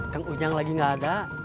kang ujang lagi nggak ada